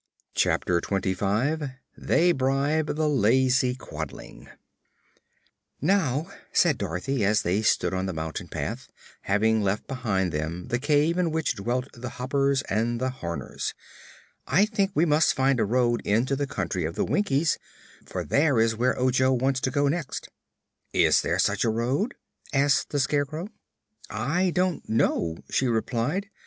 Chapter Twenty Five They Bribe the Lazy Quadling "Now," said Dorothy, as they stood on the mountain path, having left behind them the cave in which dwelt the Hoppers and the Horners, "I think we must find a road into the Country of the Winkies, for there is where Ojo wants to go next." "Is there such a road?" asked the Scarecrow. "I don't know," she replied.